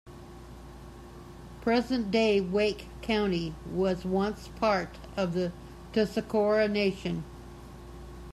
Present day Wake County was once part of the Tuscarora nation.